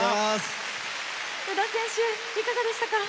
宇田選手、いかがでしたか？